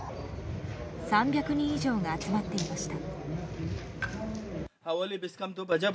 ３００人以上が集まっていました。